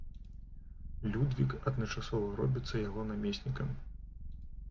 Людвік адначасова робіцца яго намеснікам.